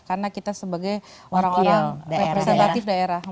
karena kita sebagai orang orang representatif daerah